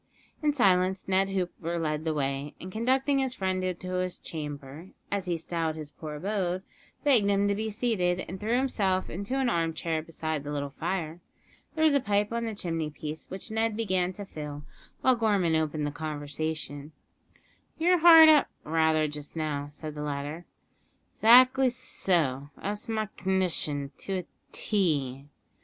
In silence Ned Hooper led the way, and, conducting his friend into his "chamber," as he styled his poor abode, begged him to be seated, and threw himself into an armchair beside the little fire. There was a pipe on the chimney piece, which Ned began to fill, while Gorman opened the conversation. "You're hard up, rather, just now?" said the latter. "'Xactly so, that's my c'ndition to a tee."